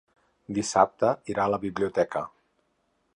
Dissabte irà a la biblioteca.